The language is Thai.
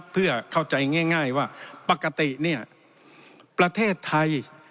เพื่อเข้าใจง่ายว่าปกติเนี่ยประเทศไทย